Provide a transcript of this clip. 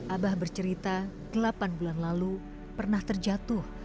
abah bercerita delapan bulan lalu pernah terjatuh